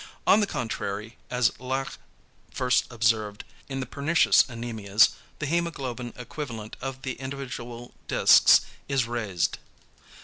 On the contrary, as Laache first observed, in the pernicious anæmias, the hæmoglobin equivalent of the individual discs is raised.